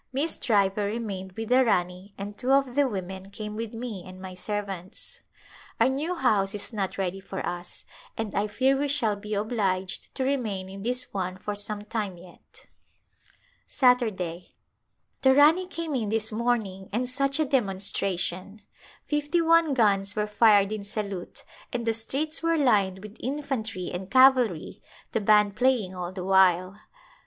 Miss Driver remained with the Rani and two of the women came with me and my servants. Our new house is not ready for us and I fear we shall be obliged to remain in this one for some time yet. Saturday, The Rani came in this morning and such a dem onstration ! Fifty one guns were fired in salute and the streets were lined with infantry and cavalry, the band playing all the while.